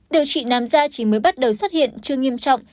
điều trị nam da chỉ mới bắt đầu xuất hiện chưa nghiêm trọng